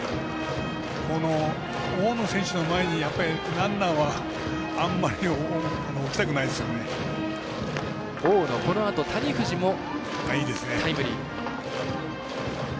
大野選手の前にランナーはあまりこのあと谷藤もタイムリー。